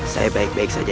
saya baik baik saja